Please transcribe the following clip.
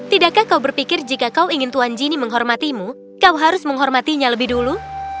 tidakkah kau berpikir jika kau ingin tuan gini menghormatimu kau harus menghormatinya lebih dulu